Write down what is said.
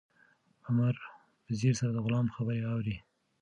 عمر په ځیر سره د غلام خبرې اوري.